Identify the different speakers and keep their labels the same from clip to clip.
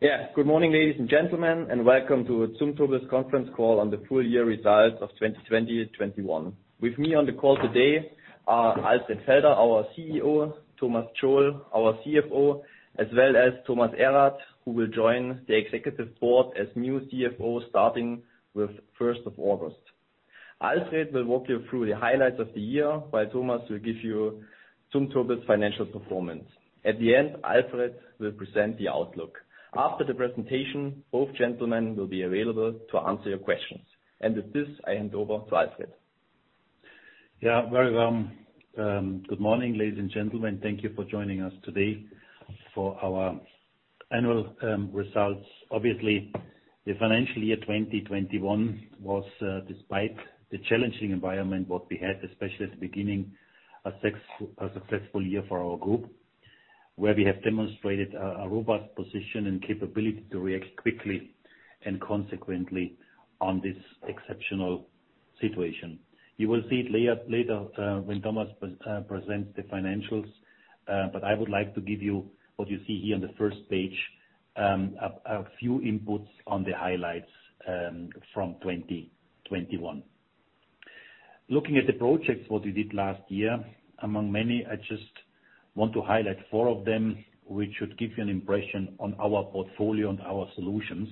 Speaker 1: Yes. Good morning, ladies and gentlemen, and welcome to the Zumtobel conference call on the full year results of 2020-2021. With me on the call today are Alfred Felder, our CEO, Thomas Tschol, our CFO, as well as Thomas Erath, who will join the executive board as new CFO starting with 1st of August. Alfred will walk you through the highlights of the year, while Thomas will give you Zumtobel's financial performance. At the end, Alfred will present the outlook. After the presentation, both gentlemen will be available to answer your questions. With this, I hand over to Alfred.
Speaker 2: Welcome. Good morning, ladies and gentlemen. Thank you for joining us today for our annual results. Obviously, the financial year 2021 was, despite the challenging environment what we had, especially at the beginning, a successful year for our Group, where we have demonstrated a robust position and capability to react quickly and consequently on this exceptional situation. You will see it later when Thomas presents the financials, but I would like to give you what you see here on the first page, a few inputs on the highlights from 2021. Looking at the projects what we did last year, among many, I just want to highlight four of them, which should give you an impression on our portfolio and our solutions.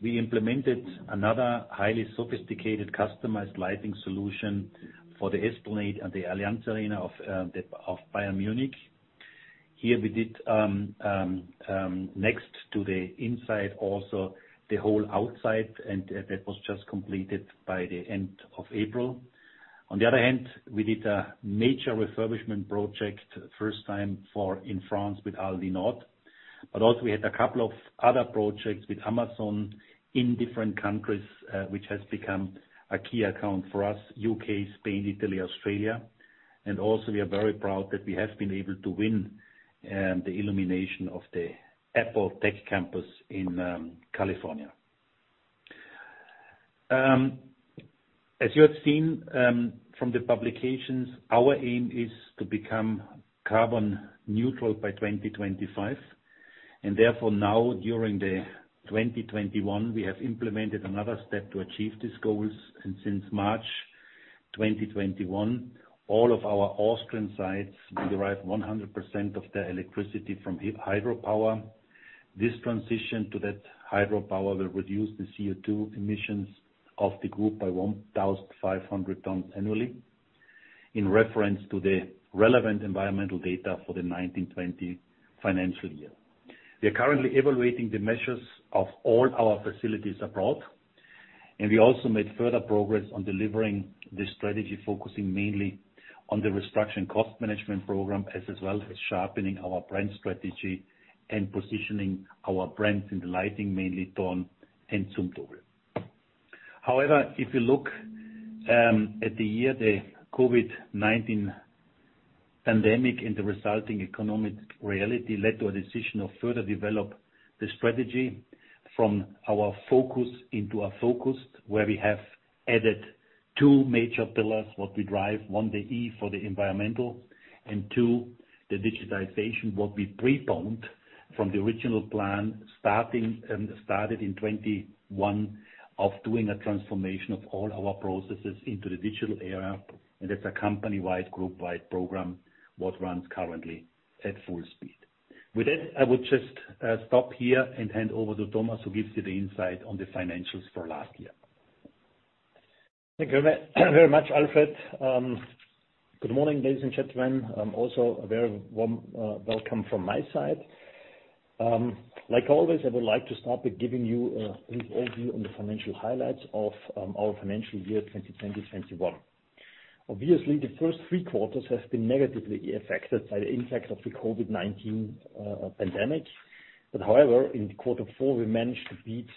Speaker 2: We implemented another highly sophisticated customized lighting solution for the Esplanade and the Allianz Arena of Bayern Munich. Here we did, next to the inside, also the whole outside, and that was just completed by the end of April. We did a major refurbishment project, first time in France with ALDI Nord. We had a couple of other projects with Amazon in different countries, which has become a key account for us, U.K., Spain, Italy, Australia. We are very proud that we have been able to win the illumination of the Apple Park campus in California. As you have seen from the publications, our aim is to become carbon neutral by 2025, and therefore now during 2021, we have implemented another step to achieve these goals, and since March 2021, all of our Austrian sites derive 100% of their electricity from hydropower. This transition to that hydropower will reduce the CO2 emissions of the group by 1,500 tons annually, in reference to the relevant environmental data for the 19/20 financial year. We also made further progress on delivering the strategy, focusing mainly on the restructuring cost management program, as well as sharpening our brand strategy and positioning our brands in the lighting, mainly Thorn and Zumtobel. If you look at the year, the COVID-19 pandemic and the resulting economic reality led to a decision of further develop the strategy from our focus into a focused where we have added two major pillars, what we drive, one, the E for the environmental, and two, the digitization, what we preponed from the original plan, started in 2021 of doing a transformation of all our processes into the digital era. It's a company-wide, group-wide program what runs currently at full speed. With that, I would just stop here and hand over to Thomas Erath, who gives you the insight on the financials for last year.
Speaker 3: Thank you very much, Alfred. Good morning, ladies and gentlemen. Also a very warm welcome from my side. Like always, I would like to start by giving you an overview on the financial highlights of our financial year 2020/21. Obviously, the first 3 quarters have been negatively affected by the impact of the COVID-19 pandemic. However, in quarter 4 we managed to beat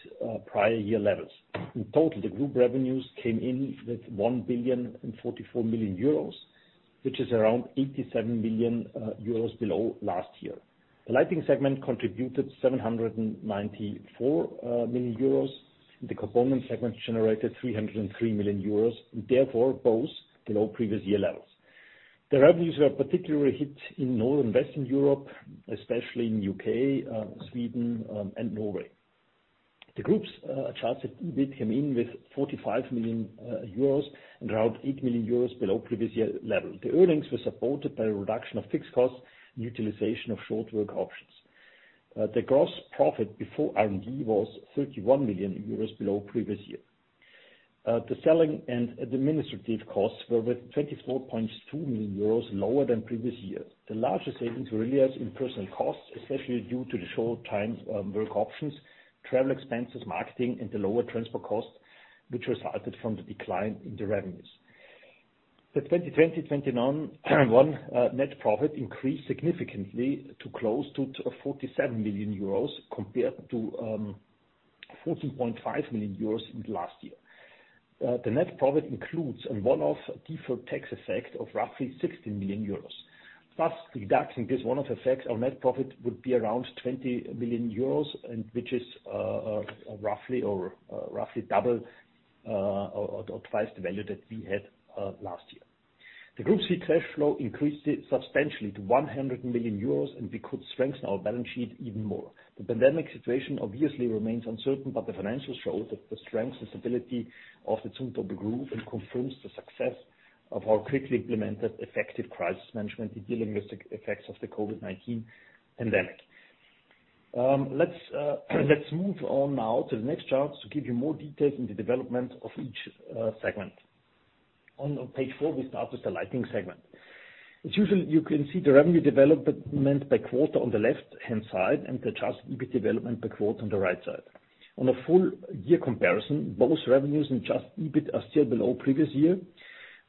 Speaker 3: prior year levels. In total, the group revenues came in with 1,044 million euros, which is around 87 million euros below last year. The lighting segment contributed 794 million euros. The component segment generated 303 million euros, Therefore, both below previous year levels. The revenues were particularly hit in Northern and Western Europe, especially in U.K., Sweden, and Norway. The group's adjusted EBIT came in with 45 million euros and around 8 million euros below previous year levels. The earnings were supported by a reduction of fixed costs and utilization of short-time work options. The gross profit before R&D was 31 million euros below previous year. The selling and administrative costs were with 24.2 million euros lower than previous year. The largest savings were realized in personal costs, especially due to the short-time work options, travel expenses, marketing, and the lower transfer costs, which resulted from the decline in the revenues. The 2020/21 net profit increased significantly to close to 47 million euros compared to 14.5 million euros in last year. The net profit includes a one-off deferred tax effect of roughly 16 million euros. Plus the deduction, this one-off effect on net profit would be around 20 million euros, which is roughly double or twice the value that we had last year. The group's free cash flow increased substantially to 100 million euros, we could strengthen our balance sheet even more. The pandemic situation obviously remains uncertain, but the financials show that the strength and stability of the Zumtobel Group confirms the success of our quickly implemented effective crisis management in dealing with the effects of the COVID-19 pandemic. Let's move on now to the next chart to give you more detail on the development of each segment. On page 4, we start with the lighting segment. As usual, you can see the revenue development by quarter on the left-hand side and the adjusted EBIT development by quarter on the right side. On a full-year comparison, both revenues and adjusted EBIT are still below previous year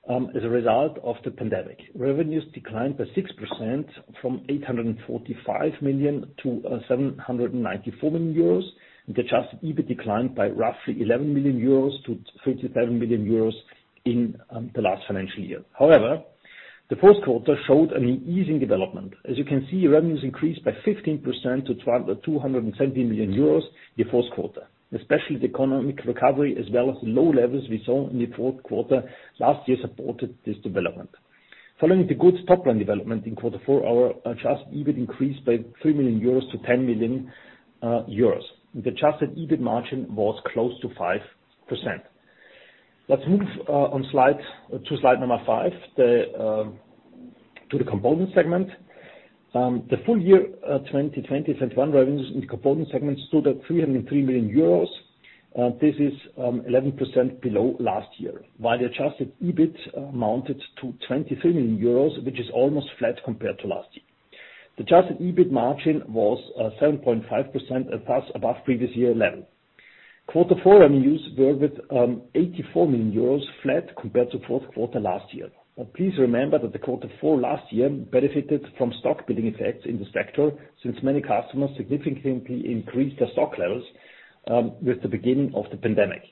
Speaker 3: as a result of the pandemic. Revenues declined by 6% from 845 million to 794 million euros, and the adjusted EBIT declined by roughly 11 million euros to 37 million euros in the last financial year. However, the first quarter showed an easing development. As you can see, revenues increased by 15% to 270 million euros in Q4. Especially the economic recovery, as well as the low levels we saw in the fourth quarter last year, supported this development. Following the good top-line development in Q4, our adjusted EBIT increased by 3 million euros to 10 million euros. The adjusted EBIT margin was close to 5%. Let's move to slide number 5, to the component segment. The full year 2020/21 revenues in component segment stood at 303 million euros. This is 11% below last year, while the adjusted EBIT amounted to 23 million euros, which is almost flat compared to last year. The adjusted EBIT margin was 7.5%, a touch above previous year level. Q4 revenues were with 84 million euros flat compared to Q4 last year. Please remember that the Q4 last year benefited from stock building effects in this sector since many customers significantly increased their stock levels with the beginning of the pandemic.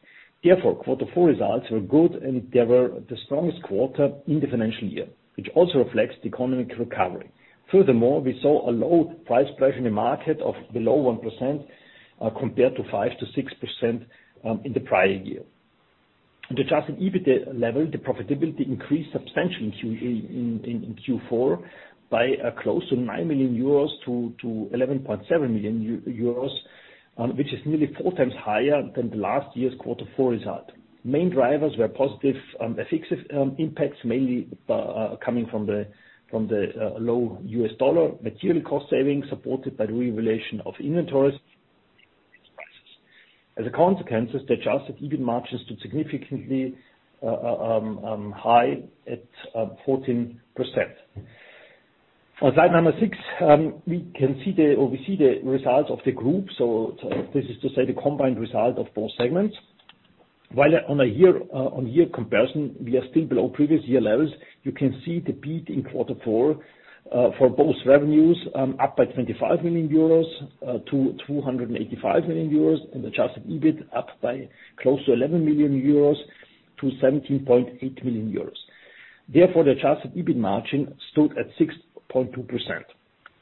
Speaker 3: Q4 results were good, and they were the strongest quarter in the financial year, which also reflects the economic recovery. We saw a low price pressure in the market of below 1% compared to 5%-6% in the prior year. The adjusted EBIT level, the profitability increased substantially in Q4 by close to 9 million euros to 11.7 million euros, which is nearly 4 times higher than the last year's Q4 result. Main drivers were positive FX impacts mainly coming from the low U.S. dollar, material cost savings supported by revaluation of inventories. The adjusted EBIT margin stood significantly high at 14%. On slide number 6, we see the result of the group. This is to say, the combined result of 4 segments. While on a year-on-year comparison, we are still below previous year levels. You can see the beat in Q4 for both revenues up by 25 million euros to 285 million euros and adjusted EBIT up by close to 11 million euros to 17.8 million euros. The adjusted EBIT margin stood at 6.2%.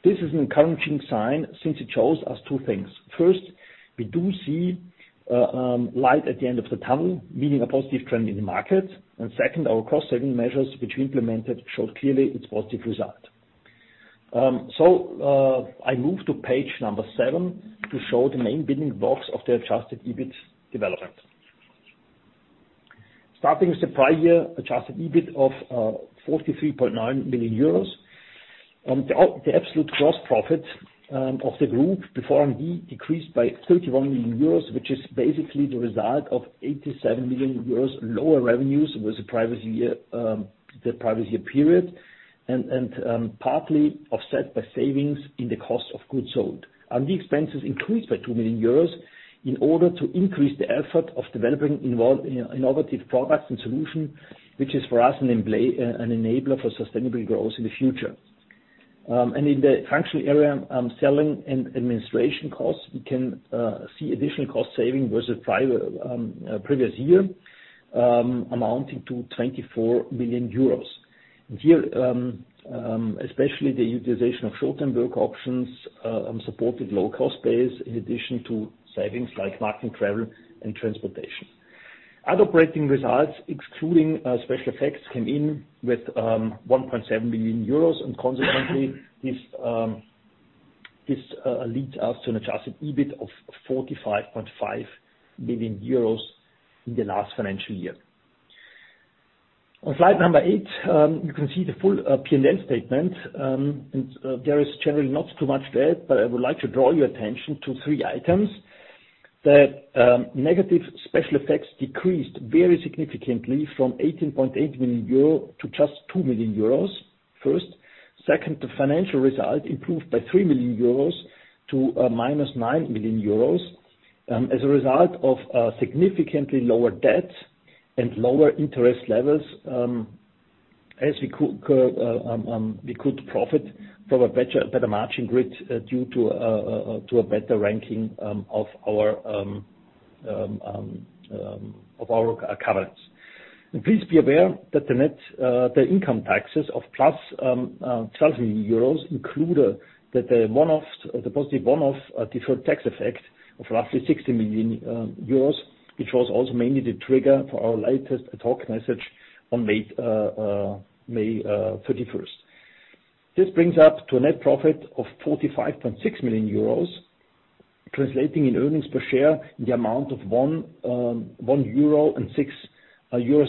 Speaker 3: This is an encouraging sign since it shows us 2 things. First, we do see light at the end of the tunnel, meaning a positive trend in the market. Second, our cost-saving measures which we implemented showed clearly its positive result. I move to page number 7 to show the main building blocks of the adjusted EBIT development. Starting with the prior year, adjusted EBIT of 43.9 million euros. The absolute gross profit of the group before R&D decreased by 31 million euros, which is basically the result of 87 million euros lower revenues with the prior year period, partly offset by savings in the cost of goods sold. R&D expenses increased by 2 million euros in order to increase the effort of developing innovative products and solution, which is for us an enabler for sustainable growth in the future. In the functional area selling and administration costs, we can see additional cost saving versus prior previous year amounting to 24 million euros. Here, especially the utilization of short-time work options supported low cost base in addition to savings like marketing, travel, and transportation. Other operating results, excluding special effects, came in with 1.7 million euros. Consequently, this leads us to an adjusted EBIT of 45.5 million euros in the last financial year. On slide number 8, you can see the full P&L statement. There is generally not too much there, but I would like to draw your attention to 3 items. The negative special effects decreased very significantly from 18.8 million euro to just 2 million euros, first. Second, the financial result improved by 3 million euros to a minus 9 million euros as a result of significantly lower debt and lower interest levels, as we could profit from a better margin grid due to a better ranking of our coverage. Please be aware that the income taxes of plus 12 million euros include the positive one-off deferred tax effect of roughly 60 million euros, which was also mainly the trigger for our latest ad hoc message on May 31st. This brings up to a net profit of 45.6 million euros, translating in earnings per share in the amount of 1.06 euro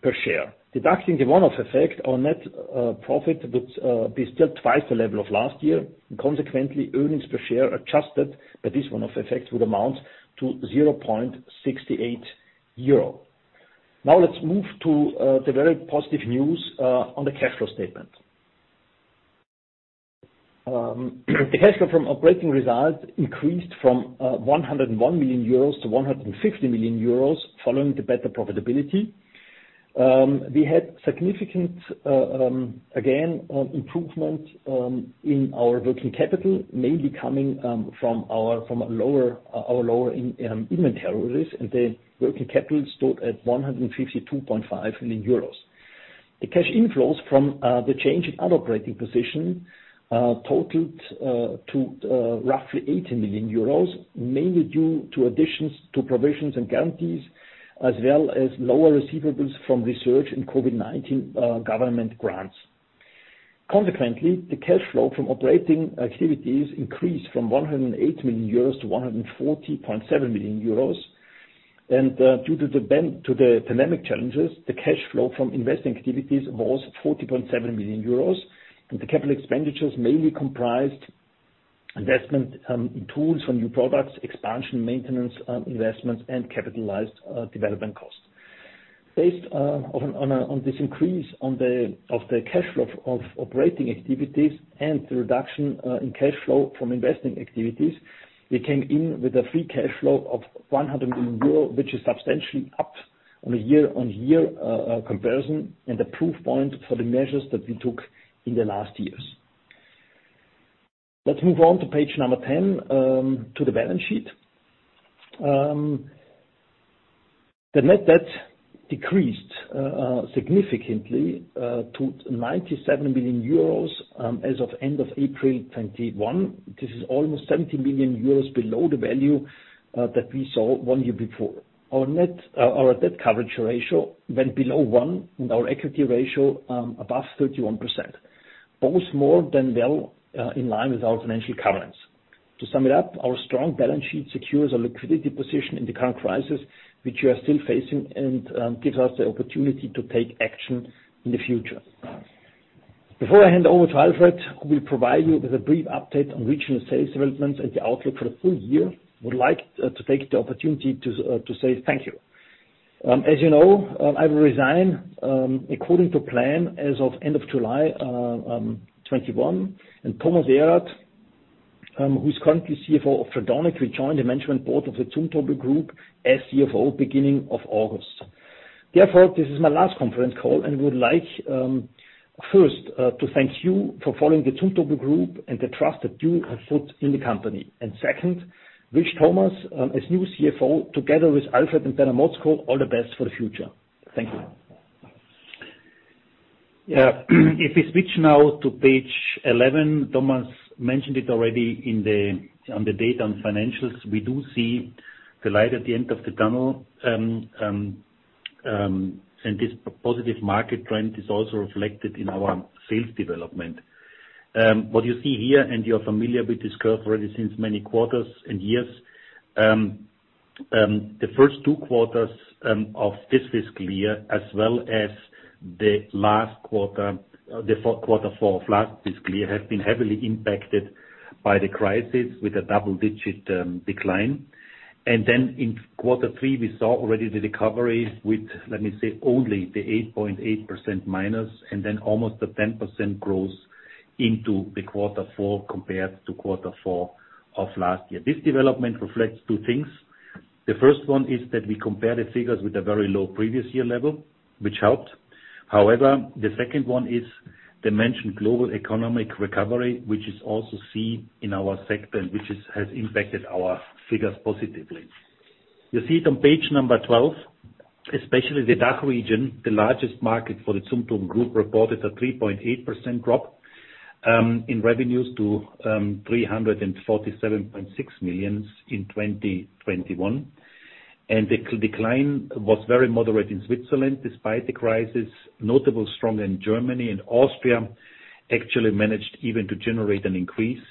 Speaker 3: per share. Deducting the one-off effect, our net profit would be still twice the level of last year. Consequently, earnings per share adjusted by this one-off effect would amount to 0.68 euro. Now let's move to the very positive news on the cash flow statement. The cash flow from operating results increased from 101 million euros to 150 million euros following the better profitability. We had significant, again, improvement in our working capital, mainly coming from our lower inventories, and the working capital stood at 152.5 million euros. The cash inflows from the change in operating position totaled to roughly 80 million euros, mainly due to additions to provisions and guarantees, as well as lower receivables from research and COVID-19 government grants. Consequently, the cash flow from operating activities increased from 108 million euros to 140.7 million euros and due to the dynamic challenges, the cash flow from investing activities was 40.7 million euros and the capital expenditures mainly comprised investment in tools for new products, expansion, maintenance investments, and capitalized development costs. Based on this increase of the cash flow of operating activities and the reduction in cash flow from investing activities, we came in with a free cash flow of 100 million euro, which is substantially up on a year-on-year comparison and a proof point for the measures that we took in the last years. Let's move on to page number 10, to the balance sheet. The net debt decreased significantly to 97 million euros as of end of April 2021. This is almost 70 million euros below the value that we saw one year before. Our debt coverage ratio went below 1 and our equity ratio above 31%, both more than well in line with our financial covenants. To sum it up, our strong balance sheet secures our liquidity position in the current crisis, which we are still facing, and gives us the opportunity to take action in the future. Before I hand over to Alfred, who will provide you with a brief update on regional sales development and the outlook for the full year, I would like to take the opportunity to say thank you. As you know, I will resign according to plan as of end of July 2021, and Thomas Erath, who is currently CFO of Frequentis, will join the management board of the Zumtobel Group as CFO beginning of August. This is my last conference call, and would like, first, to thank you for following the Zumtobel Group and the trust that you have put in the company, and second, wish Thomas, as new CFO, together with Alfred and Werner Mogk, all the best for the future. Thank you. If we switch now to page 11, Thomas mentioned it already on the data and financials, we do see the light at the end of the tunnel, and this positive market trend is also reflected in our sales development. What you see here, and you're familiar with this curve already since many quarters and years, the first two quarters of this fiscal year, as well as the fourth quarter for last fiscal year, have been heavily impacted by the crisis with a double-digit decline. Then in quarter three, we saw already the recovery with, let me say, only the 8.8% minus and then almost a 10% growth into the quarter four compared to quarter four of last year. This development reflects two things. The 1st one is that we compare the figures with a very low previous year level, which helped. The 2nd one is the mentioned global economic recovery, which is also seen in our sector and which has impacted our figures positively. You see it on page number 12, especially the DACH region, the largest market for the Zumtobel Group, reported a 3.8% drop in revenues to 347.6 million in 2021. The decline was very moderate in Switzerland, despite the crisis. Notable strong in Germany and Austria, actually managed even to generate an increase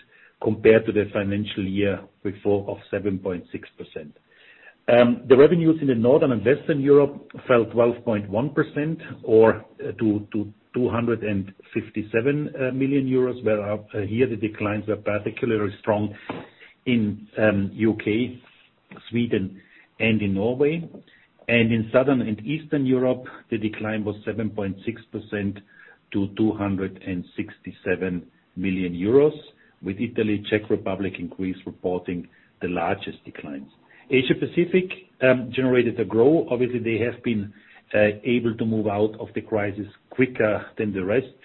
Speaker 3: compared to the financial year before of 7.6%. The revenues in the Northern and Western Europe fell 12.1% or to 257 million euros, where here the declines are particularly strong in U.K., Sweden, and in Norway. In Southern and Eastern Europe, the decline was 7.6% to 267 million euros, with Italy, Czech Republic, Greece reporting the largest declines. Asia-Pacific generated a growth. Obviously, they have been able to move out of the crisis quicker than the rest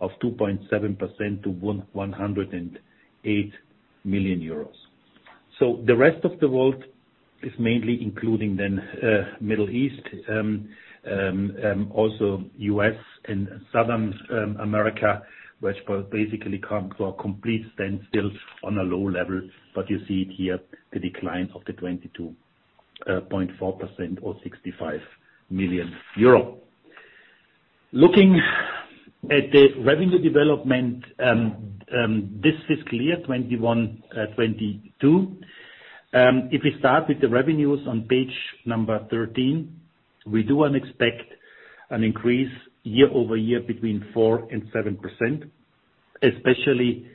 Speaker 3: of 2.7% to 108 million euros. The rest of the world is mainly including the Middle East, also U.S. and Southern America, which basically come to a complete standstill on a low level. You see it here, the declines of the 2022.
Speaker 2: 0.4% or EUR 65 million. Looking at the revenue development, this fiscal year 2021, 2022. If we start with the revenues on page 13, we do expect an increase year-over-year between 4% and 7%, especially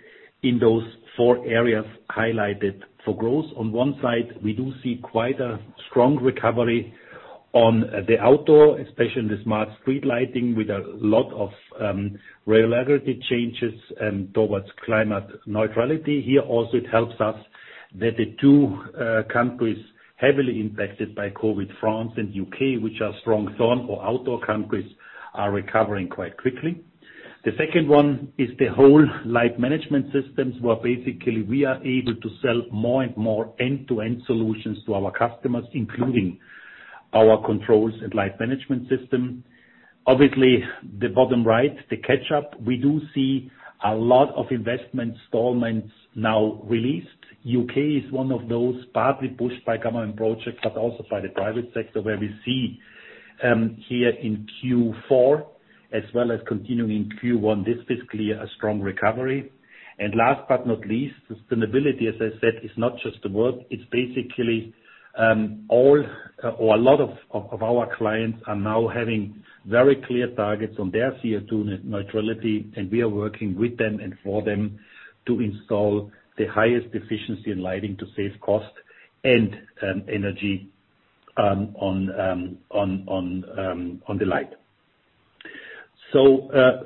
Speaker 2: in those four areas highlighted for growth. On one side, we do see quite a strong recovery on the outdoor, especially in the smart street lighting, with a lot of regulatory changes towards climate neutrality. Here also it helps us that the two countries heavily impacted by COVID-19, France and U.K., which are strong sun or outdoor countries, are recovering quite quickly. The second one is the whole light management systems, where basically we are able to sell more and more end-to-end solutions to our customers, including our controls and light management system. Obviously, the bottom right, the catch-up. We do see a lot of investment installments now released. U.K. is one of those partly pushed by government projects, but also by the private sector, where we see here in Q4 as well as continuing in Q1, this fiscal year, a strong recovery. Last but not least, sustainability, as I said, is not just a word. It's basically all or a lot of our clients are now having very clear targets on their CO2 neutrality, and we are working with them and for them to install the highest efficiency in lighting to save cost and energy on the light.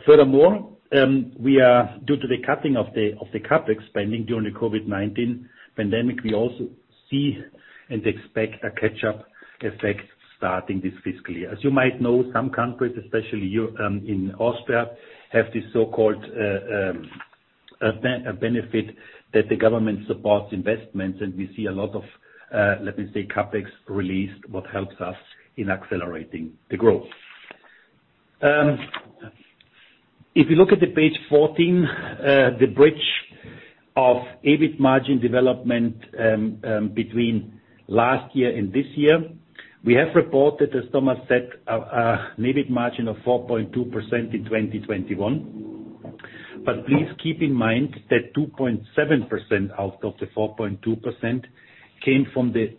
Speaker 2: Furthermore, due to the capping of the CapEx spending during the COVID-19 pandemic, we also see and expect a catch-up effect starting this fiscal year. As you might know, some countries, especially here in Austria, have this so-called benefit that the government supports investments, and we see a lot of, let me say, CapEx released, what helps us in accelerating the growth. If you look at the page 14, the bridge of EBIT margin development between last year and this year. We have reported, as Thomas said, a EBIT margin of 4.2% in 2021. Please keep in mind that 2.7% out of the 4.2% came from the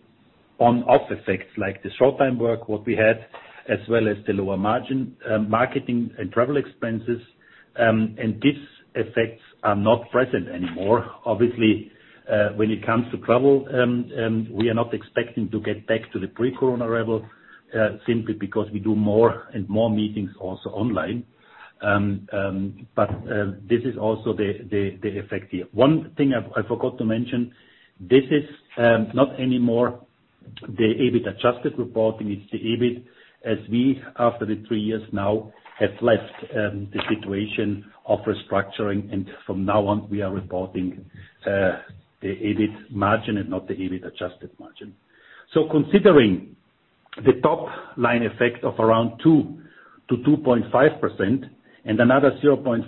Speaker 2: one-off effect, like the short-time work what we had, as well as the lower margin, marketing and travel expenses, and these effects are not present anymore. Obviously, when it comes to travel, we are not expecting to get back to the pre-COVID-19 level simply because we do more and more meetings also online. This is also the effect here. One thing I forgot to mention, this is not anymore the EBIT adjusted report. It is the EBIT, as we, after the three years now, have left the situation of restructuring. From now on, we are reporting the EBIT margin and not the EBIT adjusted margin. Considering the top-line effect of around 2%-2.5% and another 0.5%-1%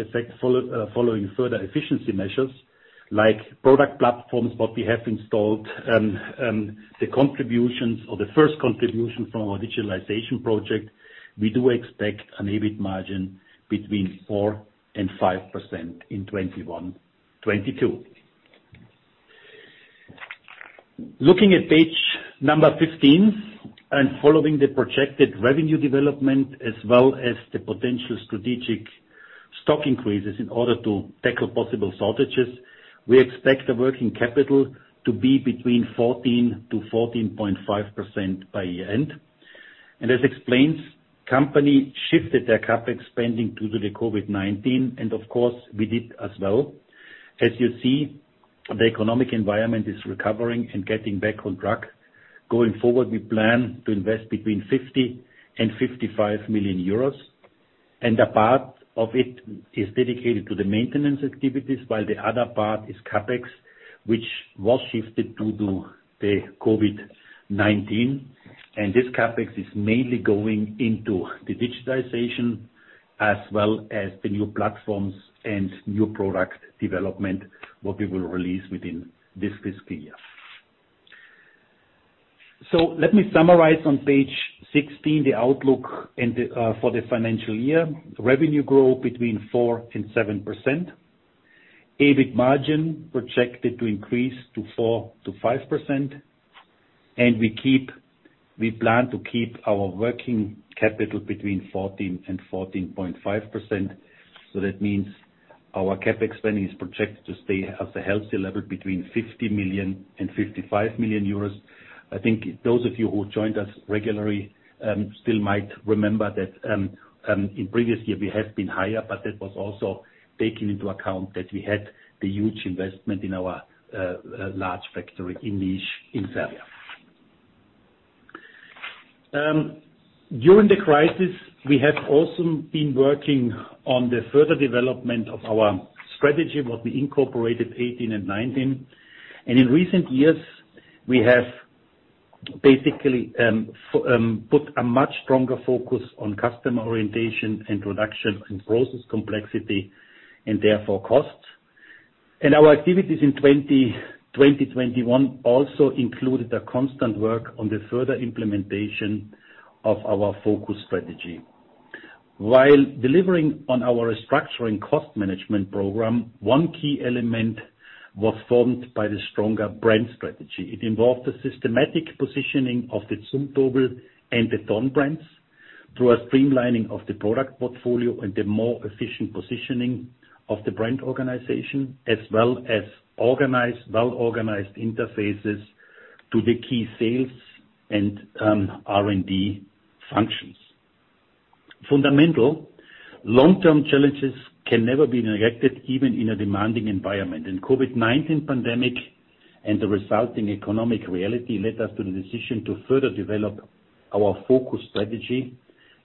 Speaker 2: effect following further efficiency measures, like product platforms what we have installed and the first contribution from our digitalization project, we do expect an EBIT margin between 4% and 5% in 2021, 2022. Looking at page number 15 and following the projected revenue development as well as the potential strategic stock increases in order to tackle possible shortages, we expect the working capital to be between 14%-14.5% by year-end. As explained, company shifted their CapEx spending due to the COVID-19, and of course, we did as well. As you see, the economic environment is recovering and getting back on track. Going forward, we plan to invest between 50 million and 55 million euros, and a part of it is dedicated to the maintenance activities, while the other part is CapEx, which was shifted due to the COVID-19. This CapEx is mainly going into the digitization as well as the new platforms and new product development, what we will release within this fiscal year. Let me summarize on page 16 the outlook for the financial year. Revenue growth between 4% and 7%. EBIT margin projected to increase to 4%-5%. We plan to keep our working capital between 14% and 14.5%. That means our CapEx spending is projected to stay as a healthy level between 50 million and 55 million euros. I think those of you who joined us regularly still might remember that in previous year we have been higher, but that was also taking into account that we had the huge investment in our large factory in Litsch, in Austria. During the crisis, we have also been working on the further development of our strategy, what we incorporated 2018 and 2019. In recent years, we have basically put a much stronger focus on customer orientation and reduction in process complexity and therefore cost. Our activities in 2021 also included the constant work on the further implementation of our Be FOCUSED strategy. While delivering on our restructuring cost management program, one key element was formed by the stronger brand strategy. It involved the systematic positioning of the Zumtobel and the Thorn brands through a streamlining of the product portfolio and the more efficient positioning of the brand organization, as well as well-organized interfaces to the key sales and R&D functions. Fundamental long-term challenges can never be neglected, even in a demanding environment. COVID-19 pandemic and the resulting economic reality led us to the decision to further develop our focus strategy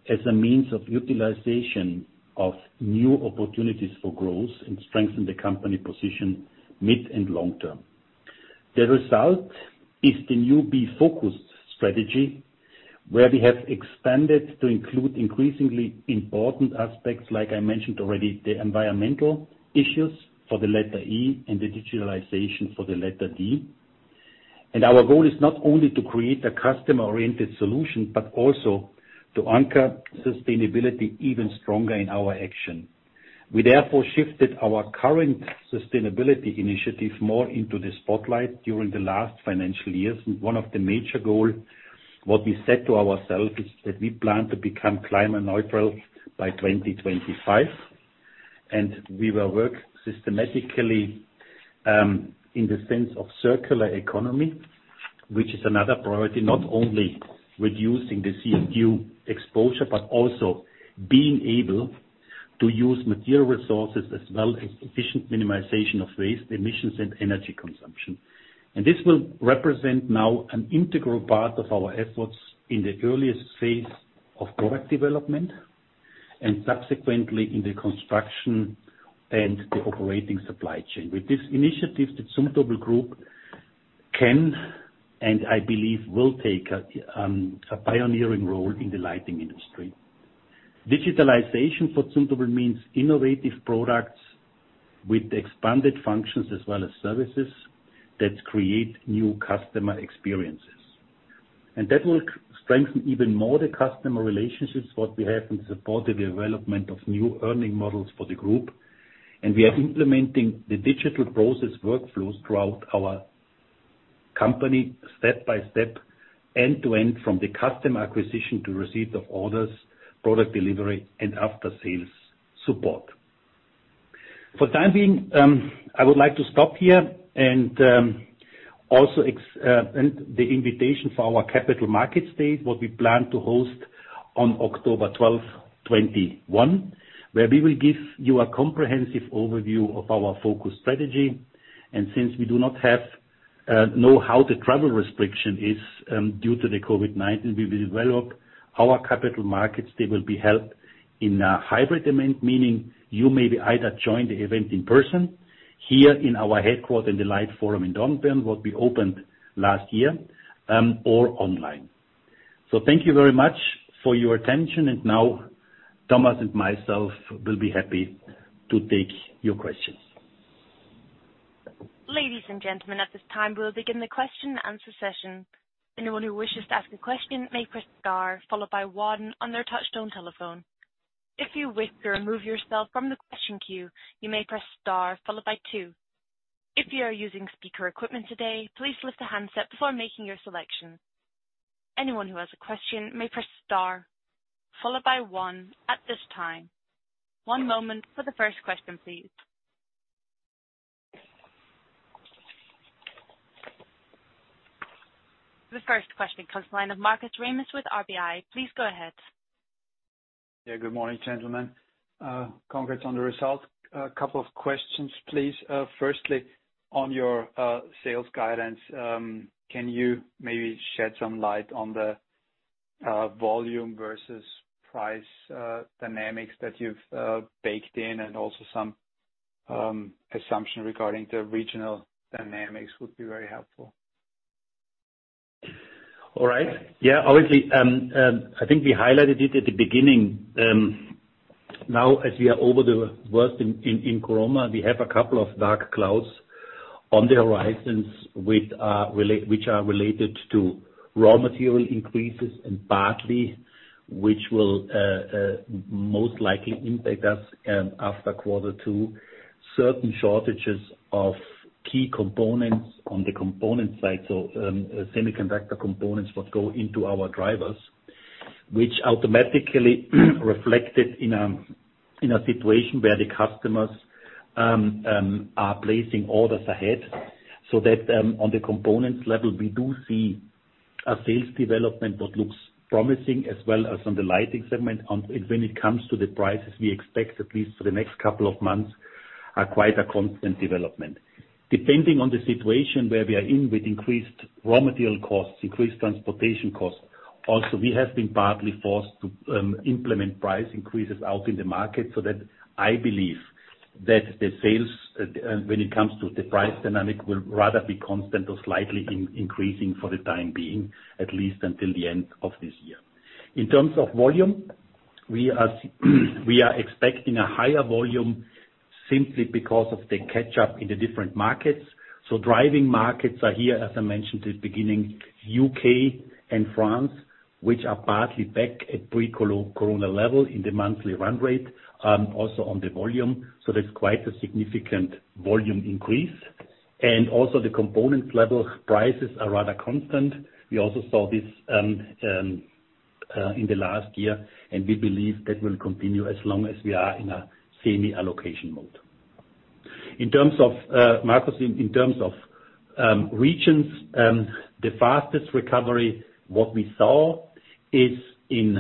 Speaker 2: as a means of utilization of new opportunities for growth and strengthen the company position mid and long-term. The result is the new Be FOCUSED strategy, where we have expanded to include increasingly important aspects, like I mentioned already, the environmental issues for the letter E and the digitalization for the letter D. Our goal is not only to create a customer-oriented solution, but also to anchor sustainability even stronger in our action. One of the major goal, what we set to ourselves, is that we plan to become climate neutral by 2025. We will work systematically, in the sense of circular economy, which is another priority, not only reducing the CO2 exposure, but also being able to use material resources as well as efficient minimization of waste emissions and energy consumption. This will represent now an integral part of our efforts in the earliest phase of product development, and subsequently in the construction and the operating supply chain. With this initiative, the Zumtobel Group can, and I believe will, take a pioneering role in the lighting industry. Digitalization for Zumtobel means innovative products with expanded functions as well as services that create new customer experiences. That will strengthen even more the customer relationships what we have and support the development of new earning models for the group. We are implementing the digital process workflows throughout our company step by step, end-to-end, from the customer acquisition to receipt of orders, product delivery, and after-sales support. For the time being, I would like to stop here and also the invitation for our capital market stage, what we plan to host on October 12th, 2021, where we will give you a comprehensive overview of our focus strategy. Since we do not know how the travel restriction is due to the COVID-19, we will develop our capital markets. They will be held in a hybrid event, meaning you may either join the event in person here in our headquarter in the Light Forum in Dornbirn, what we opened last year, or online. Thank you very much for your attention, and now Thomas and myself will be happy to take your questions.
Speaker 4: The first question comes from the line of Markus Remis with RBI. Please go ahead.
Speaker 5: Yeah, good morning, gentlemen. Congrats on the results. A couple of questions, please. Firstly, on your sales guidance, can you maybe shed some light on the volume versus price dynamics that you've baked in? Also some assumption regarding the regional dynamics would be very helpful.
Speaker 2: All right. Yeah, obviously, I think we highlighted it at the beginning. As we are over the worst in Corona, we have a couple of dark clouds on the horizons, which are related to raw material increases and partly which will, most likely, impact us after quarter two. Certain shortages of key components on the component side. Semiconductor components that go into our drivers, which automatically reflected in a situation where the customers are placing orders ahead, so that on the components level, we do see a sales development that looks promising as well as on the lighting segment. When it comes to the prices, we expect at least for the next couple of months, are quite a constant development, depending on the situation where we are in with increased raw material costs, increased transportation costs. We have been partly forced to implement price increases out in the market so that I believe that the sales, when it comes to the price dynamic, will rather be constant or slightly increasing for the time being, at least until the end of this year. In terms of volume, we are expecting a higher volume simply because of the catch-up in the different markets. Driving markets are here, as I mentioned at the beginning, U.K. and France, which are partly back at pre-COVID-19 levels in the monthly run rate, also on the volume. That's quite a significant volume increase. Also the component level prices are rather constant. We also saw this in the last year, and we believe that will continue as long as we are in a semi allocation mode. Markus, in terms of regions, the fastest recovery, what we saw, is in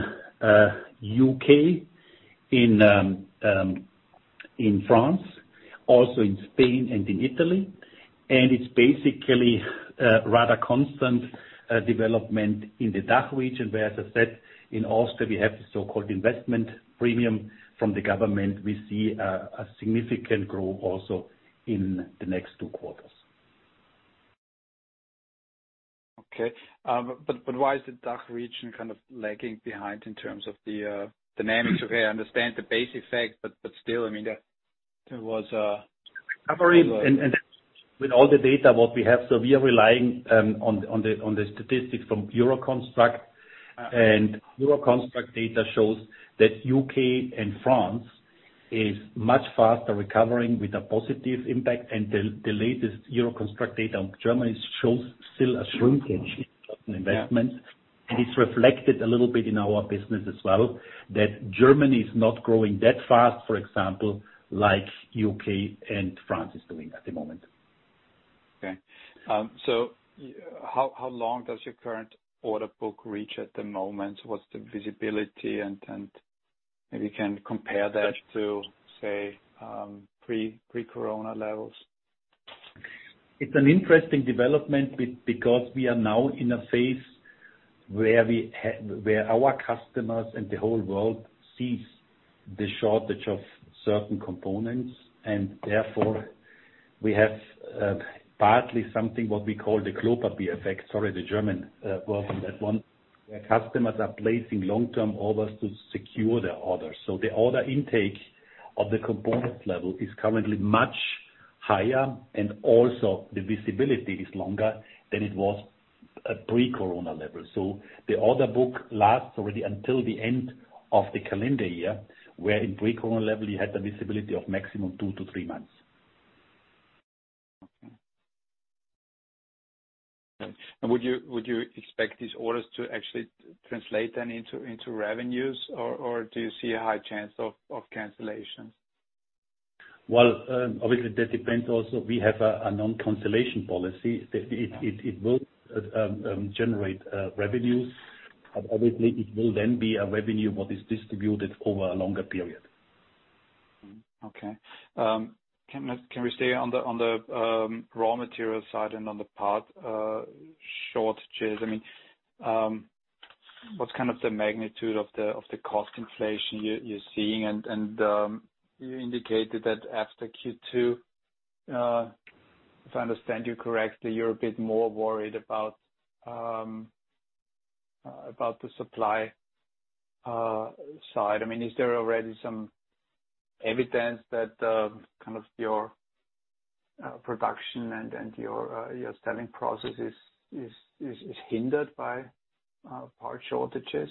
Speaker 2: U.K., in France, also in Spain and in Italy. It's basically a rather constant development in the DACH region where, as I said, in Austria, we have the so-called investment premium from the government. We see a significant growth also in the next two quarters.
Speaker 5: Okay. Why is the DACH region kind of lagging behind in terms of the dynamics? Okay, I understand the basic fact, but still.
Speaker 2: With all the data, what we have, so we are relying on the statistics from Euroconstruct. Euroconstruct data shows that U.K. and France is much faster recovering with a positive impact. The latest Euroconstruct data on Germany shows still a shrinkage in investment. It's reflected a little bit in our business as well, that Germany is not growing that fast, for example, like U.K. and France is doing at the moment.
Speaker 5: How long does your current order book reach at the moment? What's the visibility? Maybe you can compare that to, say, pre-corona levels.
Speaker 2: It's an interesting development because we are now in a phase where our customers and the whole world sees the shortage of certain components, and therefore we have partly something what we call the Klopapier effect. Sorry, the German word for that one, where customers are placing long-term orders to secure their orders. The order intake of the component level is currently much higher, and also the visibility is longer than it was at pre-corona levels. The order book lasts already until the end of the calendar year, where in pre-corona level, you had the visibility of maximum 2-3 months.
Speaker 5: Okay. Would you expect these orders to actually translate then into revenues, or do you see a high chance of cancellation?
Speaker 2: Well, obviously, that depends also, we have a non-cancellation policy. It will generate revenues. Obviously, it will then be a revenue what is distributed over a longer period.
Speaker 5: Okay. Can we stay on the raw material side and on the part shortages? What's kind of the magnitude of the cost inflation you're seeing? You indicated that after Q2, if I understand you correctly, you're a bit more worried about the supply side. Is there already some evidence that your production and your selling process is hindered by part shortages?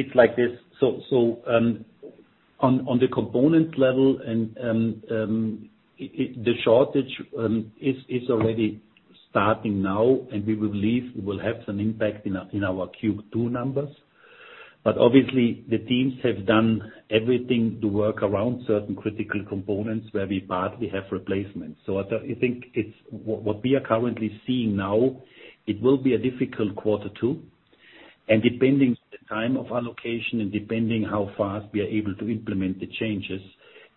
Speaker 2: It's like this. On the component level, the shortage is already starting now, and we believe it will have an impact in our Q2 numbers. Obviously, the teams have done everything to work around certain critical components where we partly have replacements. I think what we are currently seeing now, it will be a difficult quarter 2, and depending the time of allocation and depending how fast we are able to implement the changes,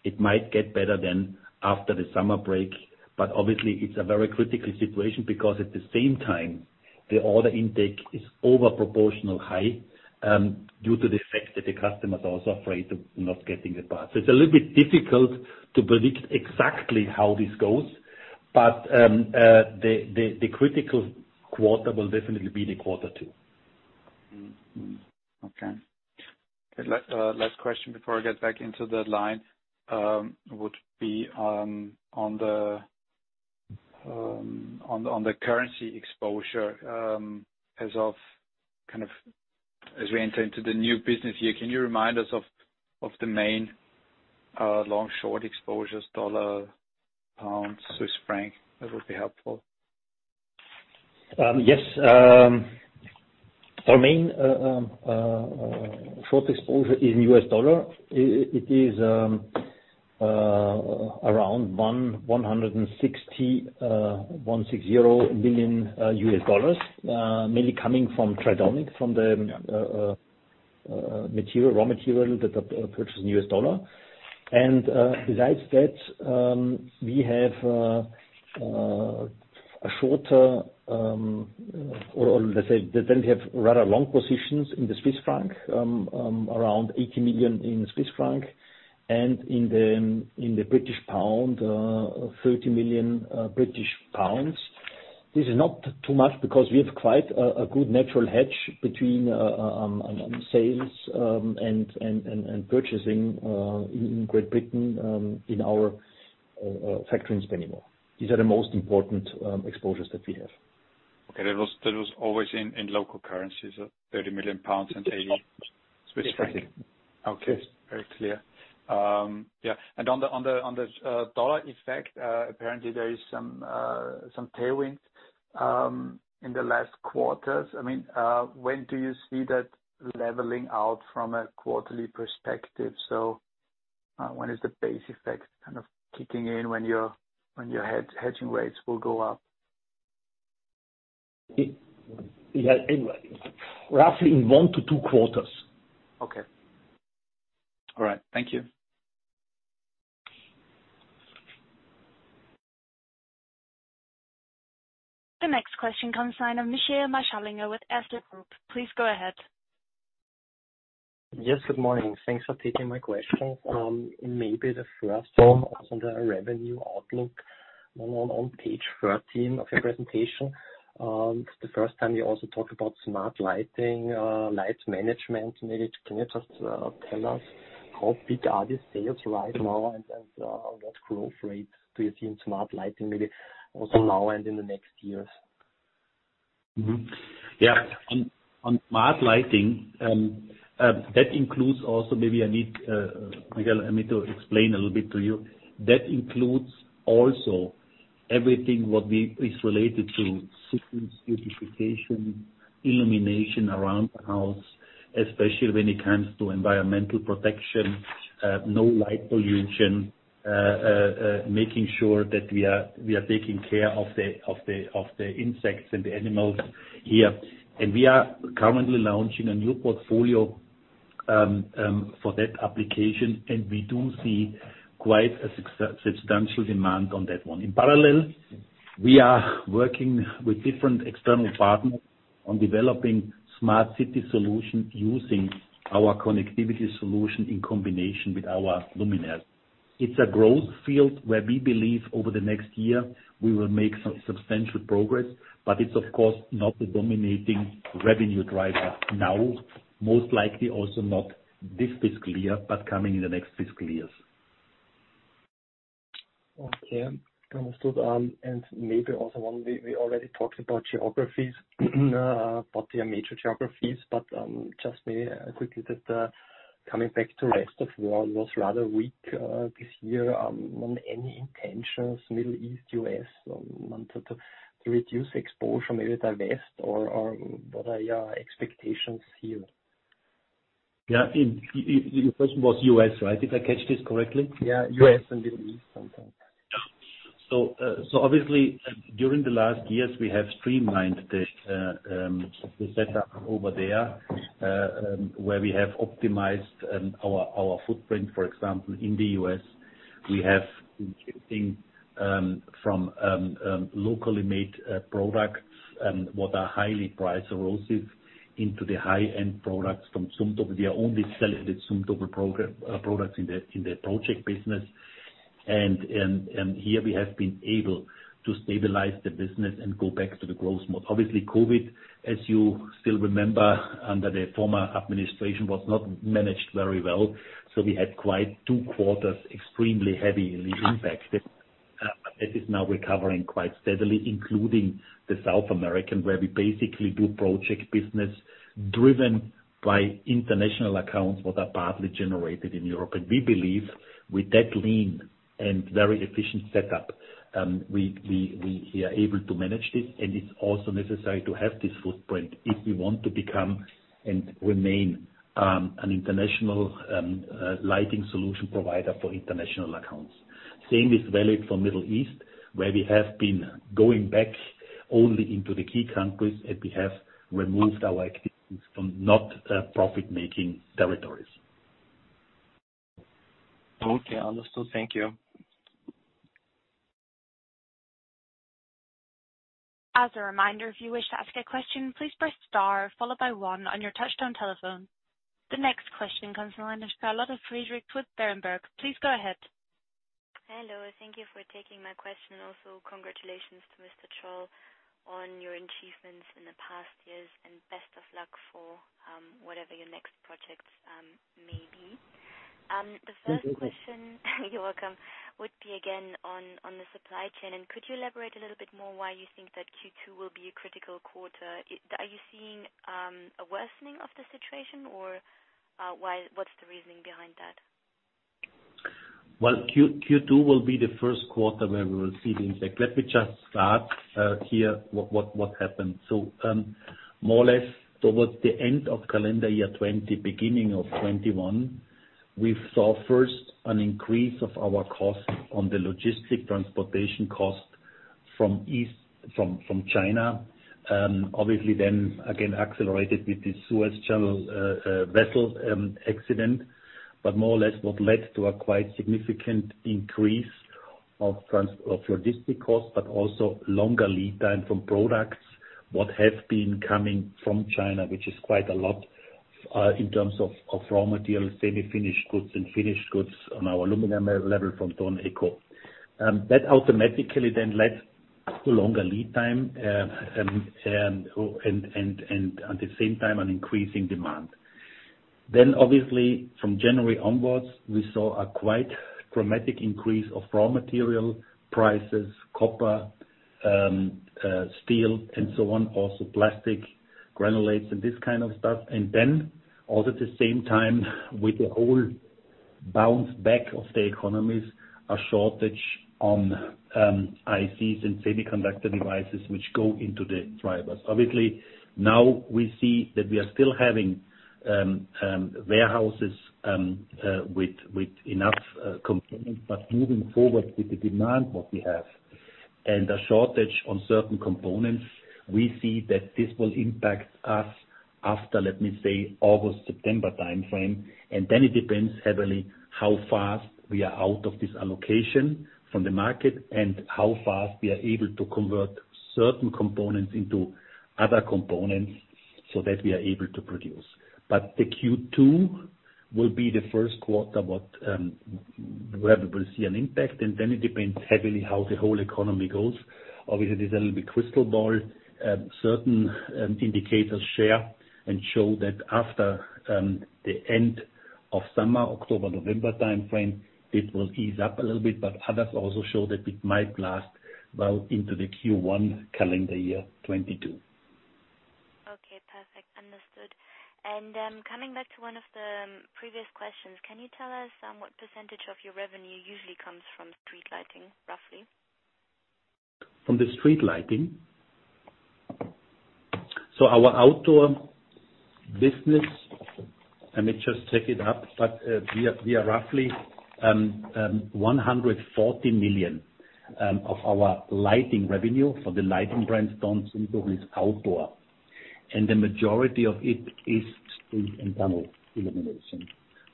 Speaker 2: it might get better then after the summer break. Obviously, it's a very critical situation because at the same time, the order intake is over proportional high, due to the fact that the customers are also afraid of not getting the parts. It's a little bit difficult to predict exactly how this goes, but the critical quarter will definitely be the quarter 2.
Speaker 5: Okay. Last question before I get back into the line, would be on the currency exposure, as we enter into the new business year, can you remind us of the main long, short exposures U.S. dollar, British pound, Swiss franc? That would be helpful.
Speaker 2: Yes. Our main short exposure in US dollar, it is around $160 million, mainly coming from Tridonic, from the raw material purchased in US dollar. Besides that, we have a shorter, or let's say, we have rather long positions in the Swiss franc, around 80 million, and in the British pound, 30 million British pounds. This is not too much because we have quite a good natural hedge between sales and purchasing in Great Britain in our factories in England. These are the most important exposures that we have.
Speaker 5: Okay. That was always in local currencies, so 30 million pounds.
Speaker 2: Yeah.
Speaker 5: in CHF. Okay. Very clear. Yeah. On the dollar effect, apparently there is some tailwinds in the last quarters. When do you see that leveling out from a quarterly perspective? When is the base effect kind of kicking in when your hedging rates will go up?
Speaker 2: Roughly in 1-2 quarters.
Speaker 5: Okay. All right. Thank you.
Speaker 4: The next question comes from Michael Marschallinger with ODDO BHF. Please go ahead.
Speaker 6: Yes, good morning. Thanks for taking my question. The first one on the revenue outlook on page 13 of your presentation. It's the first time you also talk about smart lighting, light management. Can you just tell us how big are the sales right now and what growth rates do you see in smart lighting maybe also now and in the next years?
Speaker 2: On smart lighting, that includes also, maybe I need, Michael, I need to explain a little bit to you. That includes also everything what is related to city beautification, illumination around the house, especially when it comes to environmental protection, no light pollution, making sure that we are taking care of the insects and the animals here. We are currently launching a new portfolio for that application, and we do see quite a substantial demand on that 1. In parallel, we are working with different external partners on developing smart city solutions using our connectivity solution in combination with our luminaire. It's a growth field where we believe over the next year we will make some substantial progress, but it's of course not the dominating revenue driver now, most likely also not this fiscal year, but coming in the next fiscal years.
Speaker 6: Okay. Understood. Maybe also one. We already talked about geographies, about your major geographies, but just maybe quickly that coming back to rest of world was rather weak this year. Any intentions Middle East, U.S., sort of to reduce exposure maybe to rest or what are your expectations here?
Speaker 2: Yeah. Your question was U.S., right? Did I catch this correctly?
Speaker 6: Yeah, U.S. and Middle East something.
Speaker 2: Obviously, during the last years, we have streamlined the setup over there, where we have optimized our footprint, for example, in the U.S. We have been shifting from locally made products, what are highly price erosive into the high-end products from Zumtobel. We are only selling the Zumtobel products in the project business. Here we have been able to stabilize the business and go back to the growth mode. Obviously, COVID, as you still remember, under the former administration, was not managed very well. We had quite 2 quarters, extremely heavy in the impact. It is now recovering quite steadily, including the South American, where we basically do project business driven by international accounts what are partly generated in Europe. We believe with that lean and very efficient setup, we are able to manage this, and it's also necessary to have this footprint if we want to become and remain an international lighting solution provider for international accounts. Same is valid for Middle East, where we have been going back only into the key countries. We have removed our activities from not profit-making territories.
Speaker 6: Okay, understood. Thank you.
Speaker 4: As a reminder, if you wish to ask a question, please press star followed by one on your touchtone telephone. The next question comes from Charlotte Friedrichs with Berenberg. Please go ahead.
Speaker 7: Hello. Thank you for taking my question. Also, congratulations to Mr. Tschol on your achievements in the past years, and best of the luck for whatever your next projects may be.
Speaker 3: Thank you.
Speaker 7: You're welcome. Would be again on the supply chain. Could you elaborate a little bit more why you think that Q2 will be a critical quarter? Are you seeing a worsening of the situation or what's the reasoning behind that?
Speaker 2: Well, Q2 will be the first quarter where we will see the impact. Let me just start here, what happened. More or less towards the end of calendar year 2020, beginning of 2021, we saw first an increase of our costs on the logistic transportation cost from China. Obviously, then again accelerated with the Suez Canal vessel accident, but more or less what led to a quite significant increase of logistic costs, but also longer lead time from products. What has been coming from China, which is quite a lot, in terms of raw materials, semi-finished goods and finished goods on our luminaire level from Tridonic. That automatically then led to longer lead time and at the same time, an increase in demand. Obviously from January onwards, we saw a quite dramatic increase of raw material prices, copper, steel, and so on. Plastic granulates and this kind of stuff. At the same time, with the whole bounce back of the economies, a shortage on ICs and semiconductor devices which go into the drivers. Now we see that we are still having warehouses with enough components, moving forward with the demand that we have and a shortage on certain components, we see that this will impact us after, let me say, August, September timeframe. It depends heavily how fast we are out of this allocation from the market and how fast we are able to convert certain components into other components so that we are able to produce. The Q2 will be the first quarter where we will see an impact, it depends heavily how the whole economy goes. There's no crystal ball. Certain indicators share and show that after the end of summer, October, November timeframe, it will ease up a little bit, but others also show that it might last well into the Q1 calendar year 2022.
Speaker 7: Okay, perfect. Understood. Coming back to one of the previous questions, can you tell us what percentage of your revenue usually comes from street lighting, roughly?
Speaker 2: From the street lighting? Our outdoor business, let me just check it up, but we are roughly 140 million of our lighting revenue for the lighting brand Thorn, who is outdoor, and the majority of it is street and tunnel illumination.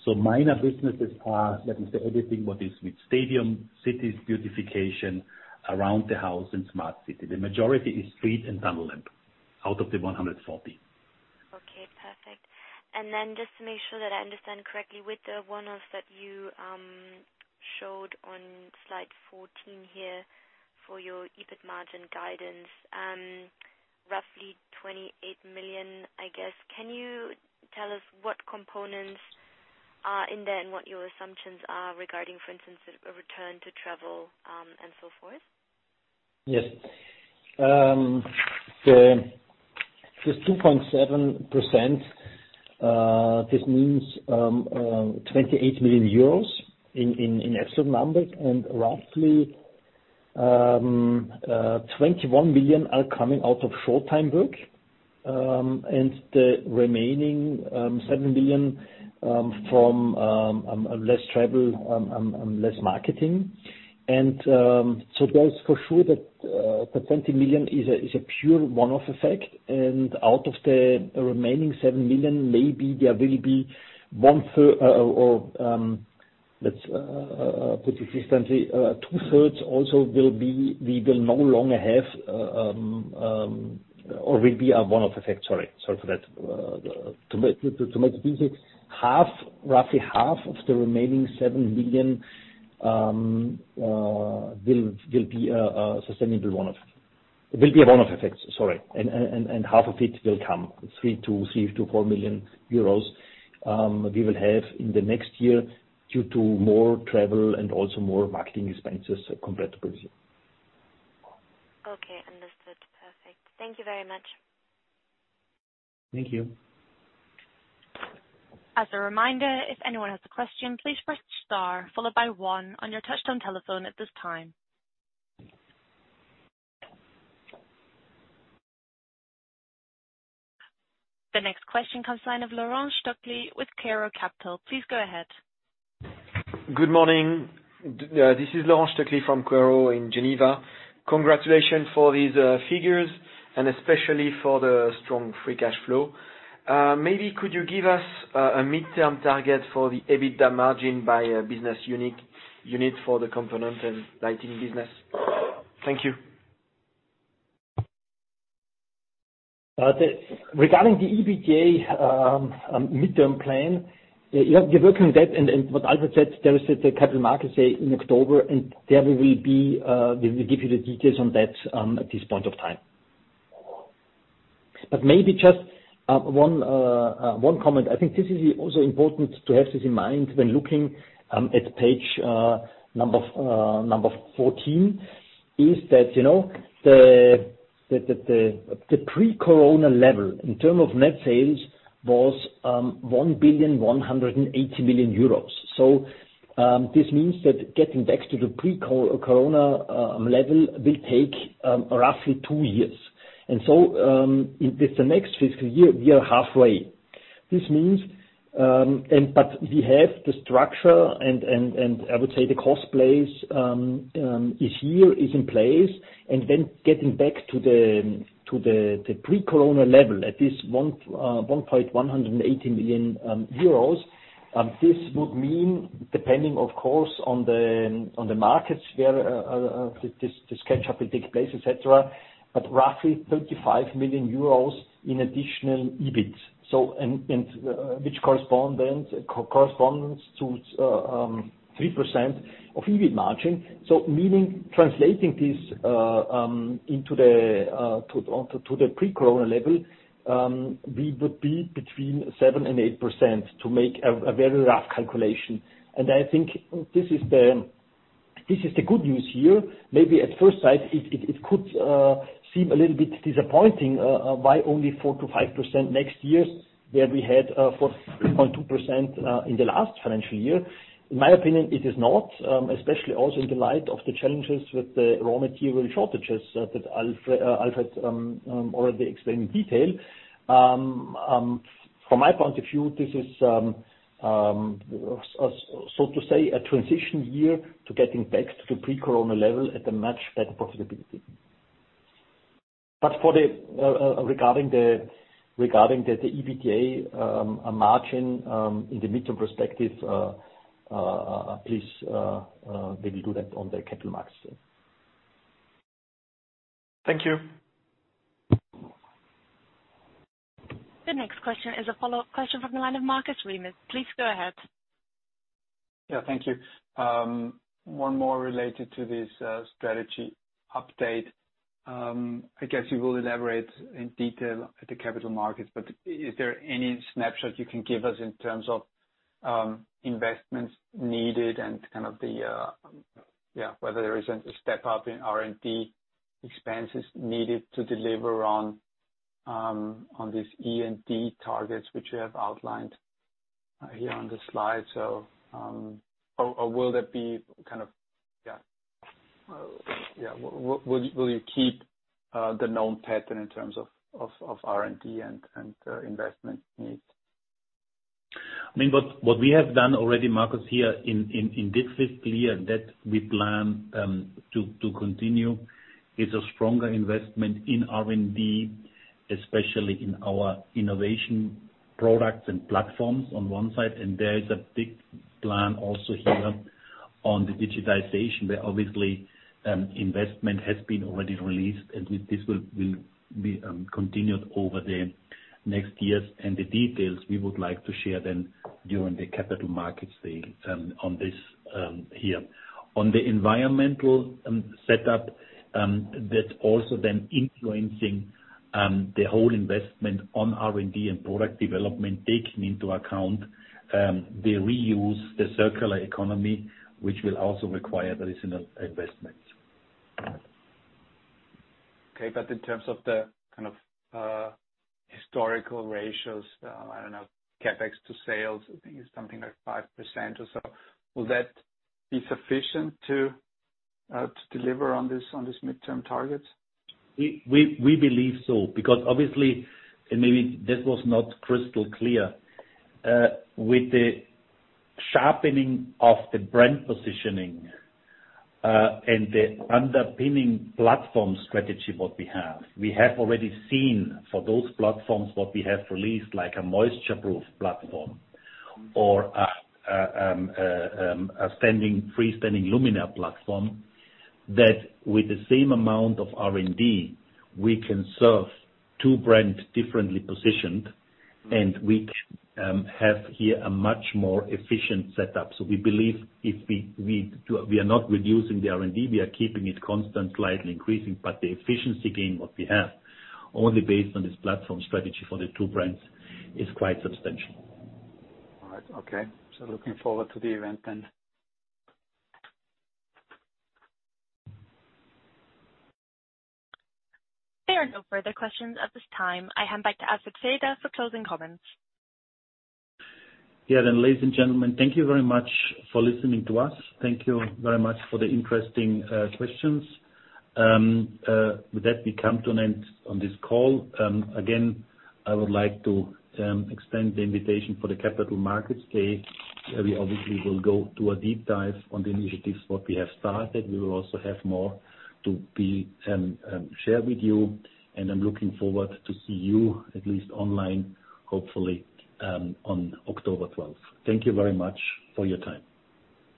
Speaker 2: Minor businesses are, let me say, everything what is with stadium, cities, beautification, around the house and smart city. The majority is street and tunnel lamp. Out of the 140.
Speaker 7: Okay, perfect. Just to make sure that I understand correctly, with the one-offs that you showed on slide 14 here for your EBIT margin guidance, roughly 28 million, I guess. Can you tell us what components are in there and what your assumptions are regarding, for instance, a return to travel, and so forth?
Speaker 2: Yes. The 2.7%, this means, 28 million euros in absolute number and roughly, 21 million are coming out of short-time work, and the remaining 7 million from less travel and less marketing. That's for sure that the 20 million is a pure one-off effect. Out of the remaining 7 million, maybe there will be one third, or, let's put it differently, two thirds also will be, we will no longer have or will be a one-off effect. Sorry. To make it easy, roughly half of the remaining 7 million will be a sustainable one-off. It will be a one-off effect, sorry. Half of it will come. 3 million-4 million euros we will have in the next year due to more travel and also more marketing expenses compared to this year.
Speaker 7: Okay, understood. Perfect. Thank you very much.
Speaker 2: Thank you.
Speaker 4: The next question comes in of Laurent Stucki with Kepler Cheuvreux. Please go ahead.
Speaker 8: Good morning. This is Laurent Stucki from Kepler Cheuvreux in Geneva. Congratulations for these figures and especially for the strong free cash flow. Maybe could you give us a midterm target for the EBITDA margin by a business unit for the component and lighting business? Thank you.
Speaker 2: Regarding the EBIT midterm plan, we're working on that and what I would say, there is the Capital Markets Day in October, and there we will give you the details on that at this point of time. Maybe just one comment. I think this is also important to have this in mind when looking at page number 14, is that the pre-COVID level in term of net sales was 1.18 billion. This means that getting back to the pre-COVID level will take roughly 2 years. With the next fiscal year, we are halfway. We have the structure and I would say the cost place is here, is in place, and then getting back to the pre-COVID-19 level at this 1.180 million euros, this would mean, depending of course on the market share, the catch-up will take place, et cetera
Speaker 3: Roughly 35 million euros in additional EBIT. Which corresponds to 3% of EBIT margin. Translating this to the pre-COVID level, we would be between 7%-8%, to make a very rough calculation. I think this is the good news here. Maybe at first sight, it could seem a little bit disappointing, why only 4%-5% next year where we had 4.2% in the last financial year. In my opinion, it is not, especially also in light of the challenges with the raw material shortages that Alfred already explained in detail. From my point of view, this is, so to say, a transition year to getting back to the pre-COVID level at a much better profitability. Regarding the EBITDA margin in the medium perspective, please maybe do that on the Capital Markets Day.
Speaker 8: Thank you.
Speaker 4: The next question is a follow-up question from the line of Markus Remis. Please go ahead.
Speaker 5: Yeah, thank you. One more related to this strategy update. I guess you will elaborate in detail at the capital markets, is there any snapshot you can give us in terms of investments needed and whether there is a step up in R&D expenses needed to deliver on these E and D targets which you have outlined here on the slide? Will you keep the known pattern in terms of R&D and investment needs?
Speaker 2: What we have done already, Markus, here in this fiscal year that we plan to continue, is a stronger investment in R&D, especially in our innovation products and platforms on one side. There is a big plan also here on the digitization, where obviously investment has been already released, and this will be continued over the next years. The details, we would like to share them during the Capital Markets Day on this here. On the environmental setup, that's also then influencing the whole investment on R&D and product development, taking into account the reuse, the circular economy, which will also require additional investments.
Speaker 5: Okay. In terms of the historical ratios, I don't know, CapEx to sales, I think it's something like 5% or so. Will that be sufficient to deliver on these midterm targets?
Speaker 2: We believe so, because obviously, maybe this was not crystal clear. With the sharpening of the brand positioning and the underpinning platform strategy what we have, we have already seen for those platforms what we have released, like a moisture-proof platform or a freestanding luminaire platform, that with the same amount of R&D, we can serve two brands differently positioned, and we have here a much more efficient setup. We believe we are not reducing the R&D, we are keeping it constant, slightly increasing, but the efficiency gain what we have only based on this platform strategy for the two brands is quite substantial.
Speaker 5: All right. Okay. Looking forward to the event then.
Speaker 4: There are no further questions at this time. I hand back to Axel Schröder for closing comments.
Speaker 2: Ladies and gentlemen, thank you very much for listening to us. Thank you very much for the interesting questions. With that, we come to an end on this call. Again, I would like to extend the invitation for the capital markets day. We obviously will go to a deep dive on the initiatives what we have started. We will also have more to share with you, and I'm looking forward to see you at least online, hopefully, on October 12th. Thank you very much for your time.